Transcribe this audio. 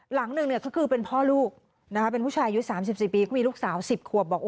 หลังหนึ่งก็คือเป็นพ่อลูกนะคะเป็นผู้ชายอายุ๓๔ปีก็มีลูกสาว๑๐ขวบบอก